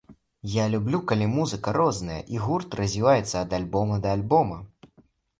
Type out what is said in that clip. Я люблю, калі музыка розная і гурт развіваецца ад альбома да альбома.